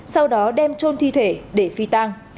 sau đó đem trôn thi thể để phi tang